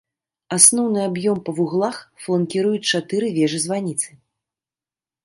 Асноўны аб'ём па вуглах фланкіруюць чатыры вежы-званіцы.